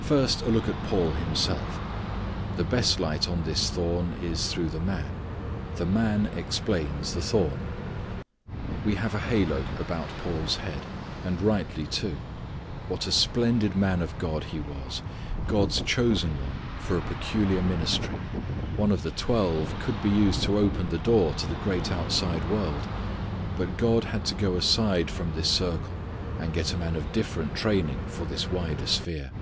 First a look at Paul himself. The best light on this thorn is through the man. The man explains the thorn. We have a halo about Paul's head; and rightly, too. What a splendid man of God he was! God's chosen one for a peculiar ministry. One of the twelve could be used to open the door to the great outside world, but God had to go aside from this circle and get a man of different training for this wider sphere.